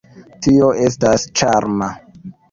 Tio estas ĉarma.